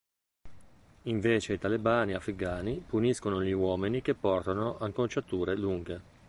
Invece i talebani afghani puniscono gli uomini che portano acconciature lunghe.